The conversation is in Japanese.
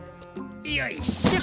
よいしょ。